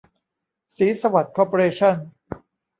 ศรีสวัสดิ์ คอร์ปอเรชั่น